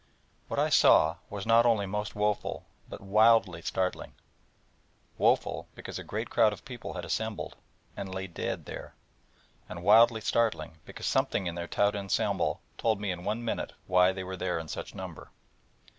What I saw was not only most woeful, but wildly startling: woeful, because a great crowd of people had assembled, and lay dead, there; and wildly startling, because something in their tout ensemble told me in one minute why they were there in such number.